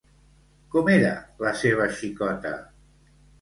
Com era la seva xicota?